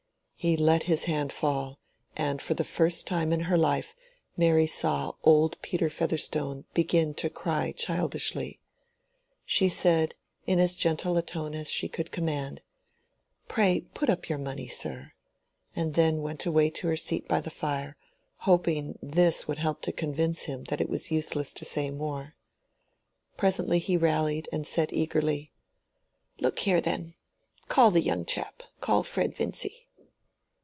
He let his hand fall, and for the first time in her life Mary saw old Peter Featherstone begin to cry childishly. She said, in as gentle a tone as she could command, "Pray put up your money, sir;" and then went away to her seat by the fire, hoping this would help to convince him that it was useless to say more. Presently he rallied and said eagerly— "Look here, then. Call the young chap. Call Fred Vincy."